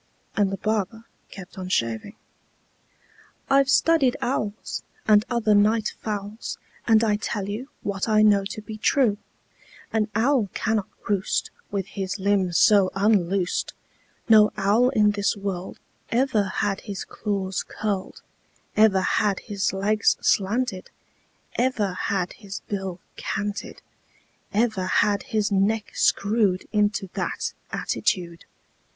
And the barber kept on shaving. "I've studied owls, And other night fowls, And I tell you What I know to be true: An owl cannot roost With his limbs so unloosed; No owl in this world Ever had his claws curled, Ever had his legs slanted, Ever had his bill canted, Ever had his neck screwed Into that attitude.